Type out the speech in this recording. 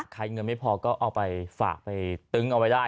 เงินไม่พอก็เอาไปฝากไปตึงเอาไว้ได้